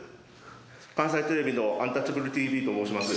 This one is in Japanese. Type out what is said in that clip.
関西テレビの「アンタッチャブるＴＶ」と申します。